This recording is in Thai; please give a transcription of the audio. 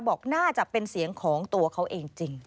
บอกน่าจะเป็นเสียงของตัวเขาเองจริง